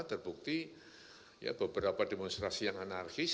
terbukti beberapa demonstrasi yang anarkis